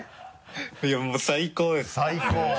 いやもう最高です。